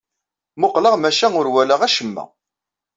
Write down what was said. Mmuqleɣ, maca ur walaɣ acemma.